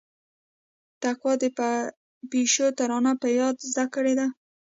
تقوا د پيشو ترانه په ياد زده کړيده.